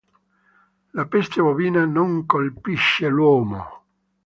La peste bovina non colpisce l'uomo.